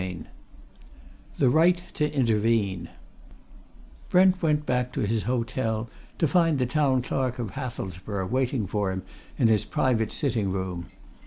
CHAPTER IX THE RIGHT TO INTERVENE Brent went back to his hotel to find the Town Clerk of Hathelsborough waiting for him in his private sitting room.